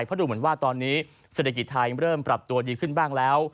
เพราะดูเหมือนว่าตอนนี้เศรษฐกิจไทยเริ่มปรับตัวดีขึ้นบ้างแล้ว